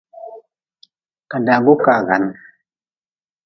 Kadagu kaagan.